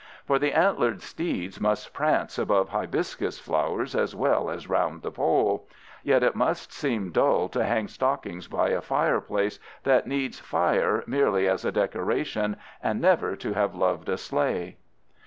For the antlered steeds must prance above hibiscus flowers as well as round the Pole. Yet it must seem dull to hang stockings by a fireplace that needs fire merely as a decoration and never to have loved a sleigh!